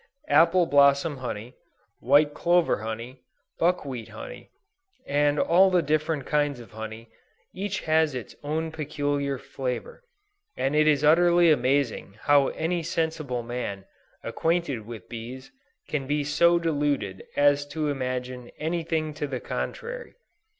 Apple blossom honey, white clover honey, buckwheat honey, and all the different kinds of honey, each has its own peculiar flavor, and it is utterly amazing how any sensible man, acquainted with bees, can be so deluded as to imagine any thing to the contrary.